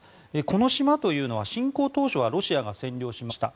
この島というのは侵攻当初はロシアが占領しました。